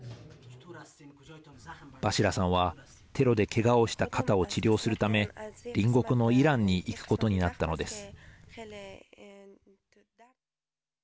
バシラさんはテロでけがをした肩を治療するため隣国のイランに行くことになったのです。